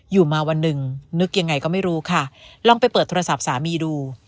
อยู่มาวันหนึ่งนึกยังไงก็ไม่รู้ค่ะลองไปเปิดโทรศัพท์สามีดู